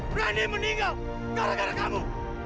berani meninggal karena karena kamu